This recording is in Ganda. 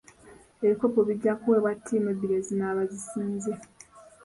Ebikopo bijja kuweebwa ttiimu ebbiri ezinaaba zisinze.